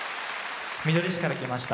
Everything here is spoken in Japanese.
みどり市から来ました